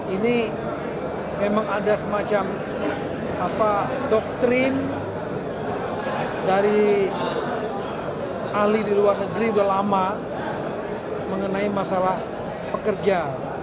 ini memang ada semacam doktrin dari ahli di luar negeri sudah lama mengenai masalah pekerja